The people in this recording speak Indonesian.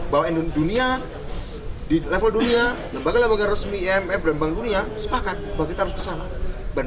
bawain dunia level dunia lembaga lembaga resmi imf lembaga dunia sepakat bahwa kita harus kesalahan